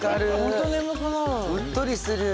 うっとりする。